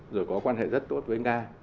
rồi có quan hệ rất tốt với nga